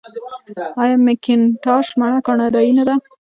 آیا مکینټاش مڼه کاناډايي نه ده؟